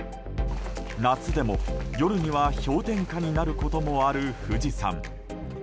夏でも夜には氷点下になることもある富士山。